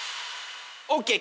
オーケー！